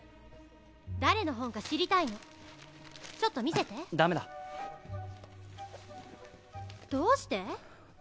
誰の本か知りたいのちょっと見せてダメだどうして？